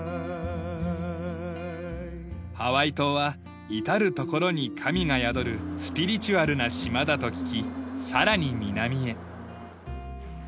ハワイ島は至る所に神が宿るスピリチュアルな島だと聞きさらに南へ。